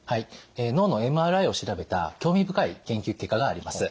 脳のＭＲＩを調べた興味深い研究結果があります。